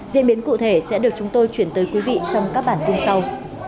diễn biến cụ thể sẽ được chúng tôi chuyển tới quý vị trong các bản tin sau